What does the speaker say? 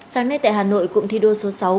sáng nay tại hà nội cụm thi đua số sáu